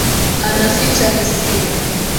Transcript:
Anaficha hisia